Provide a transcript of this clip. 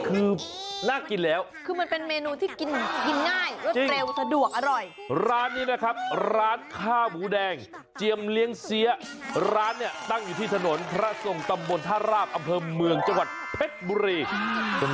อร่อยเด็ดขนาดไหนติดตามไปช่วงปลาร์นเกม